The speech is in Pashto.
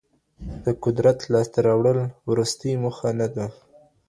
د قدرت لاسته راوړل وروستۍ موخه نه ده.